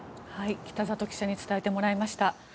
北里記者に伝えてもらいました。